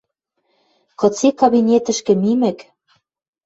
Кыце кабинетӹшкӹ мимӹк